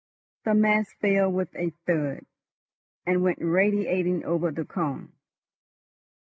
The mass fell with a thud, and went radiating over the cone.